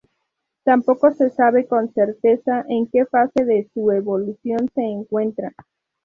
Tampoco se sabe con certeza en que fase de su evolución se encuentra.